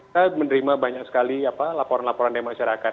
saya menerima banyak sekali laporan laporan dari masyarakat